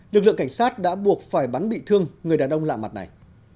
lực lượng cảnh sát đã buộc phải bắn bị thương người đàn ông lạ mặt này